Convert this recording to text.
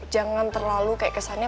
jangan terlalu kayak kesannya